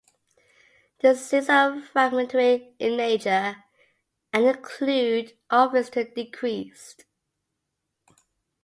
The scenes are fragmentary in nature and include offerings to the deceased.